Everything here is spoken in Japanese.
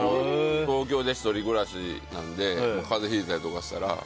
東京で１人暮らしなんで風邪ひいたりとかしたら。